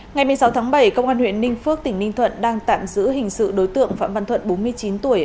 ngày một mươi sáu tháng bảy công an huyện ninh phước tỉnh ninh thuận đang tạm giữ hình sự đối tượng phạm văn thuận bốn mươi chín tuổi